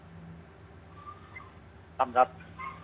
mereka menyelepon saya